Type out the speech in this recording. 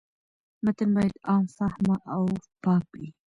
متن باید عام فهمه او پاک وي.